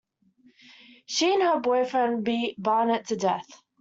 She and her boyfriend beat Barnett to death.